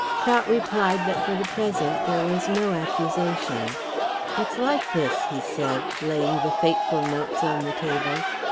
Prout replied that for the present there was no accusation. "It's like this," he said, laying the fateful notes on the table.